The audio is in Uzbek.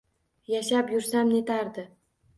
Yashab yursam netardi.